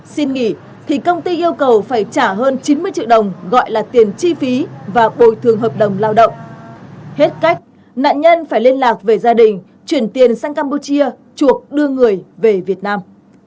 xin nghỉ thì công ty yêu cầu phải trả hơn chín mươi triệu đồng gọi là tiền chi phí và bồi thường hợp đồng lao động hết cách nạn nhân phải liên lạc về gia đình chuyển tiền sang campuchia chuộc đưa người về việt nam